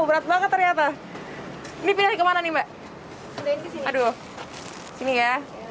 berat banget ternyata ini pilih kemana nih mbak aduh sini ya